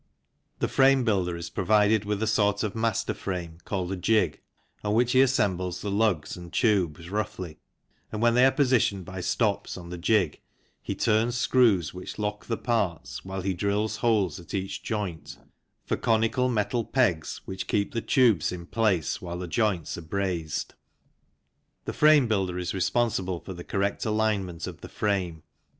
The frame builder is provided with a sort of master frame, called a jig, on which he assembles the lugs and tubes roughly, and when they are positioned by stops on the jig he 36 THE CYCLE INDUSTRY turns screws which lock the parts while he drills holes at each joint for conical metal pegs which keep the tubes in place while the joints are brazed. The frame builder is responsible for the correct alignment of the frame.